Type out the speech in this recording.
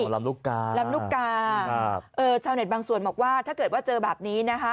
ลำลูกกาลำลูกกาชาวเน็ตบางส่วนบอกว่าถ้าเกิดว่าเจอแบบนี้นะคะ